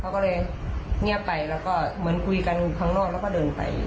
เขาก็เลยเงียบไปแล้วก็เหมือนคุยกันข้างนอกแล้วก็เดินไป